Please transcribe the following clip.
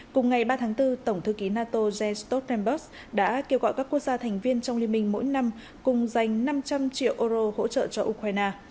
cùng ngày ba tháng bốn tổng thư ký nato jens stoltenberg đã kêu gọi các quốc gia thành viên trong liên minh mỗi năm cùng dành năm trăm linh triệu euro hỗ trợ cho ukraine